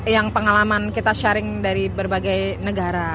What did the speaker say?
yang pengalaman kita sharing dari berbagai negara